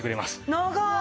長い。